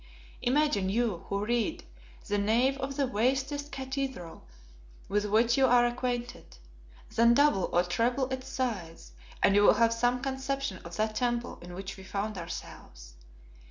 Imagine, you who read, the nave of the vastest cathedral with which you are acquainted. Then double or treble its size, and you will have some conception of that temple in which we found ourselves.